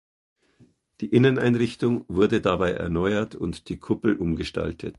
Die Inneneinrichtung wurde dabei erneuert und die Kuppel umgestaltet.